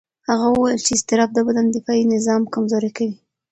هغه وویل چې اضطراب د بدن دفاعي نظام کمزوري کوي.